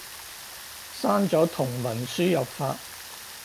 刪咗同文輸入法